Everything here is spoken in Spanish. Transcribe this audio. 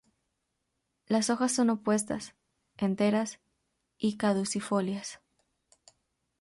Las hojas son opuestas, enteras, y caducifolias.